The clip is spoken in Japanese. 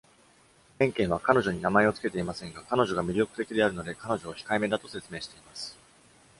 メンケンは彼女に名前を付けていませんが、彼女が魅力的であるので彼女を控えめだと説明しています。